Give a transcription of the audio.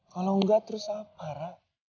kalau gak terus apa ra